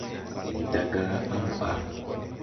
Ndi da gá á mo a.